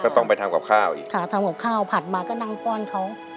ต้องไปทำกับข้าวอีกค่ะทำกับข้าวผัดมาก็นั่งป้อนเขา